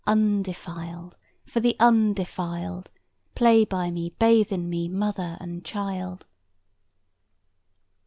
Undefiled, for the undefiled; Play by me, bathe in me, mother and child.